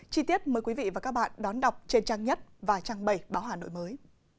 chi tiết mời quý vị và các bạn đón đọc trên trang nhất và trang bảy báo hà nội mới